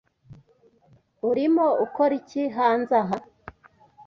Urimo ukora iki hanze aha?